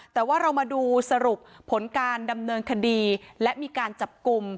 แต่ว่าเรามาดูสรุปผลการดำเนินคดีและมีการจับกลุ่ม